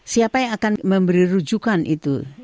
siapa yang akan memberi rujukan itu